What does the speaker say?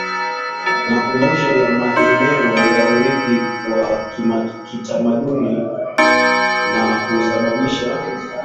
makumbusho na maeneo ya urithi wa kitamaduni na husababisha